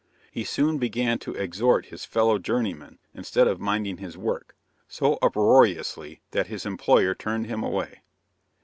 He soon began to exhort his fellow journeymen instead of minding his work, so uproariously that his employer turned him away.